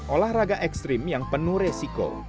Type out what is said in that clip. olahraga ekstrim yang penuh resiko